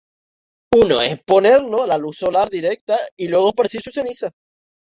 Uno es exponerlo a la luz solar directa y luego esparcir sus cenizas.